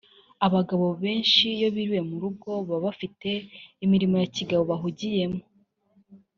Abagabo benshi iyo biriwe mu rugo baba bafite imirimo ya kigabo bahugiyemo